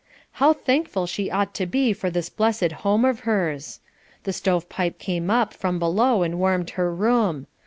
"How thankful she ought to be for this blessed home of hers." The stove pipe came up from below and warmed her room.